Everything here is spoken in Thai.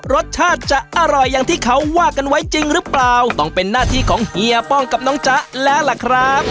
รสชาติจะอร่อยอย่างที่เขาว่ากันไว้จริงหรือเปล่าต้องเป็นหน้าที่ของเฮียป้องกับน้องจ๊ะแล้วล่ะครับ